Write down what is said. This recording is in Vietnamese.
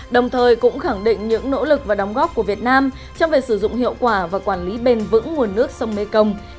đồng thời cũng khẳng định những nỗ lực và đóng góp của việt nam trong việc sử dụng hiệu quả và quản lý bền vững nguồn nước sông mekong